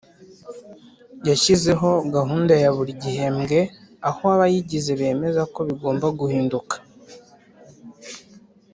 yashyizeho gahunda ya buri gihembwe aho abayigize bemeza ko bigomba guhinduka